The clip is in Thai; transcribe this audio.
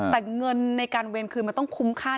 แต่เงินในการเวรคืนมันต้องคุ้มค่า